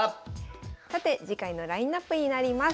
さて次回のラインナップになります。